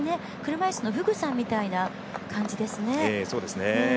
車いすのフグさんみたいな感じですね。